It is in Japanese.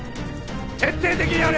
徹底的にやれ！